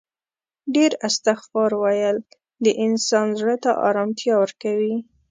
ډیر استغفار ویل د انسان زړه ته آرامتیا ورکوي